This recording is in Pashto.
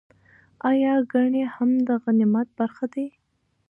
ایا ګېڼي هم د غنیمت برخه دي؟